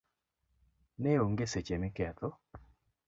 neonge seche miketho